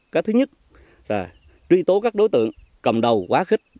cái thứ nhất là truy tố các đối tượng cầm đầu quá khích